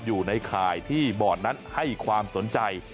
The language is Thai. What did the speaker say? อยู่ในข่ายที่บอร์ดนั้นให้ความสนใจ